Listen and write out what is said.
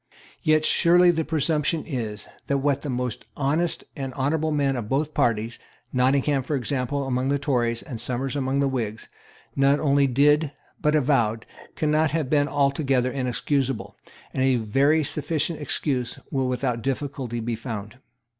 Yet surely the presumption is that what the most honest and honourable men of both parties, Nottingham, for example, among the Tories, and Somers among the Whigs, not only did, but avowed, cannot have been altogether inexcusable; and a very sufficient excuse will without difficulty be found.